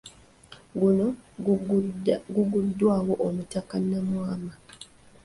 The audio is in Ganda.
Guno guguddwawo Omutaka Namwama.